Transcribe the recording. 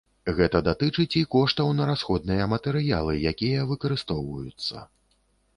Гэта датычыць і коштаў на расходныя матэрыялы, якія выкарыстоўваюцца.